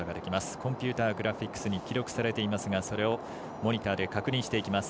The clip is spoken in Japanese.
コンピューターグラフィックスに記録されていますがそれをモニターで確認していきます。